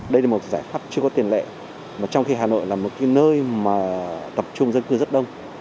đây là một giải pháp chưa có tiền lệ trong khi hà nội là một nơi tập trung dân cư rất đông